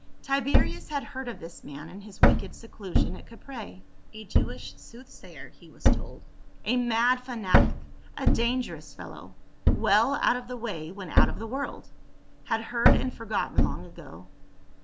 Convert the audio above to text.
Tiberius had heard of this man in his wicked seclu sion at Caprae, — a Jewish soothsayer, he was told, a mad fanatic, a dangerous fellow, well out of the way when out of the world — had heard and forgotten long ago.